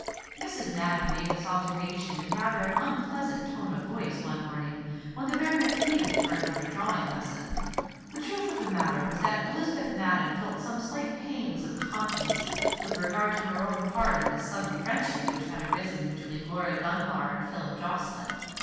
Mrs. Madden made this observation in rather an unpleasant tone of voice one morning when the baronet pleaded for another drawing lesson. The truth of the matter was that Elizabeth Madden felt some slight pangs of conscience with regard to her own part in this sudden friendship which had arisen between Laura Dunbar and Philip Jocelyn.